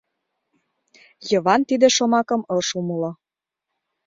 Йыван тиде шомакым ыш умыло.